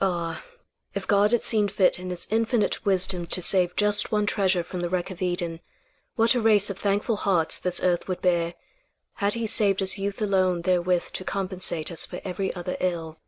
Ah! If God had seen fit in his infinite wisdom to save just one treasure from the wreck of Eden, what a race of thankful hearts this earth would bear, had he saved us youth alone therewith to compensate us for every other ill.